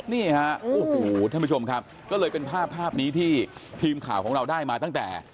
นี่ฮะโอ้โหท่านผู้ชมครับก็เลยเป็นภาพภาพนี้ที่ทีมข่าวของเราได้มาตั้งแต่